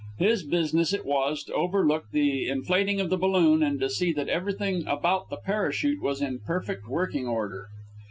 His business it was to overlook the inflating of the balloon, and to see that everything about the parachute was in perfect working order.